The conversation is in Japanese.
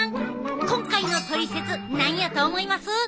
今回の「トリセツ」何やと思います？